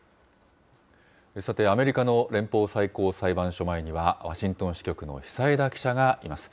さて、アメリカの連邦最高裁判所前には、ワシントン支局の久枝記者がいます。